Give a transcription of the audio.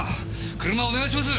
車お願いします！